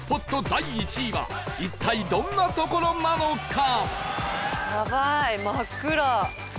第１位は一体どんな所なのか？